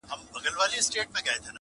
o په محبت کي يې بيا دومره پيسې وغوښتلې,